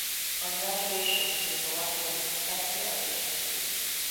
On graduation he was elected as a professor of the institute.